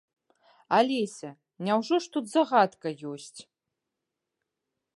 Алеся, няўжо ж тут загадка ёсць?